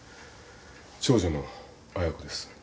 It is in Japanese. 長女の亜矢子です。